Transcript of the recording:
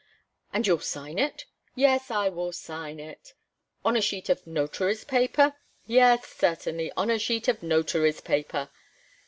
"And you'll sign it?" "Yes, I will sign it." "On a sheet of notary's paper?" "Yes, certainly on a sheet of notary's paper!"